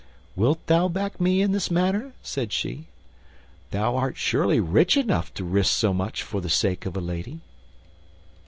"Wilt thou back me in this manner?" said she. "Thou art surely rich enough to risk so much for the sake of a lady."